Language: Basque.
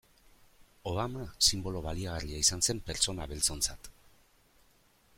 Obama sinbolo baliagarria izan zen pertsona beltzontzat.